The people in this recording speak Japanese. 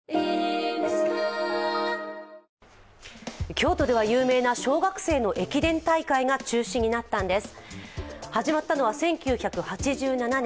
京都では有名な小学生の駅伝大会が中止になったんです。